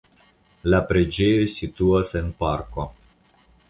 La preĝejo situas en parko.